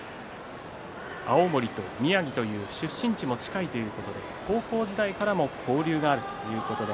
青森と宮城という出身地も近いということで高校時代からも交流があったということです。